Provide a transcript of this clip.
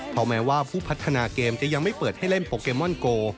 เพราะแม้ว่าผู้พัฒนาเกมจะยังไม่เปิดให้เล่นโปเกมอนโก